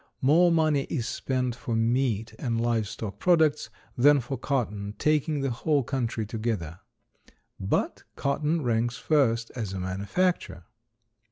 More money is spent for meat and live stock products than for cotton, taking the whole country together. But cotton ranks first as a manufacture.